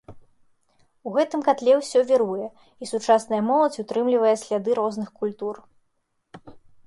У гэтым катле ўсё віруе, і сучасная моладзь утрымлівае сляды розных культур.